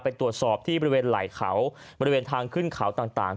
ไปตรวจสอบที่บริเวณไหล่เขาบริเวณทางขึ้นเขาต่าง